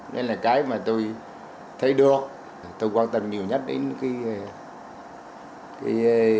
đấy là cái mà tôi thấy được tôi quan tâm nhiều nhất đến cái